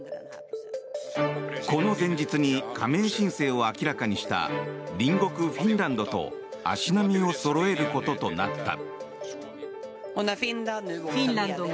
この前日に加盟申請を明らかにした隣国フィンランドと足並みをそろえることとなった。